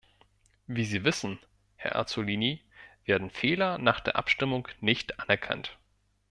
Wie Sie wissen, Herr Azzolini, werden Fehler nach der Abstimmung nicht anerkannt.